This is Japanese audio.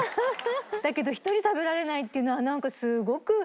だけど１人食べられないっていうのはなんかすごく残念。